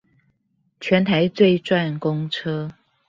全台最賺公車